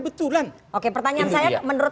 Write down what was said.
betulan oke pertanyaan saya menurut